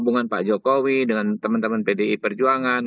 hubungan pak jokowi dengan teman teman pdi perjuangan